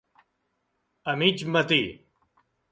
A mig matí.